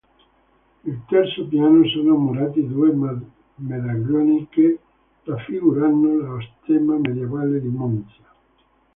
Al terzo piano sono murati due medaglioni che raffigurano lo stemma medievale di Monza.